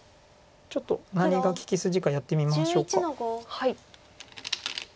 ちょっと何が利き筋かやってみましょうか。